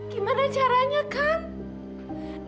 gimana caranya kan